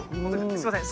すみません。